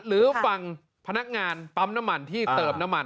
หรือฟังพนักงานปั๊มน้ำมันที่เติมน้ำมัน